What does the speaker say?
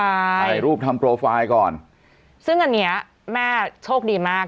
ถ่ายรูปทำโปรไฟล์ก่อนซึ่งอันเนี้ยแม่โชคดีมาก